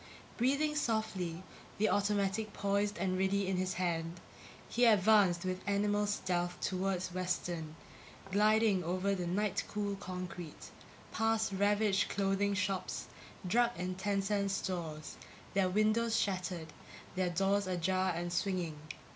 Breathing softly, the automatic poised and ready in his hand, he advanced with animal stealth toward Western, gliding over the night cool concrete, past ravaged clothing shops, drug and ten cent stores, their windows shattered, their doors ajar and swinging.